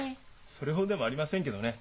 それほどでもありませんけどね。